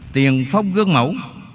tiền phong gương mẫu